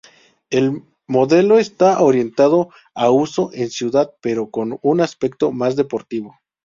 El modelo está orientado a uso en ciudad pero con un aspecto más deportivo.